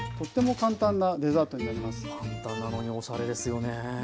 簡単なのにおしゃれですよね。